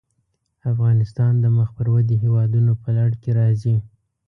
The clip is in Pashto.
افغانستان د مخ پر ودې هېوادونو په لړ کې راځي.